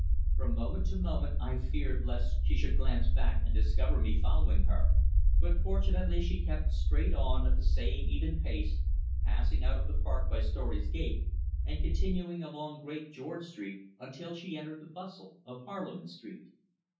From moment to moment I feared lest she should glance back and discover me following her, but fortunately she kept straight on at the same even pace, passing out of the park by Storey's Gate, and continuing along Great George Street until she entered the bustle of Parliament Street.